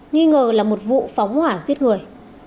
nghi ngờ là một vụ phóng hỏa giết người